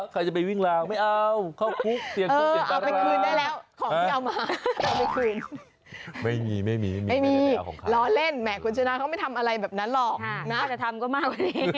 กลัวแบบไฟปุดเดี๋ยวหอยสุก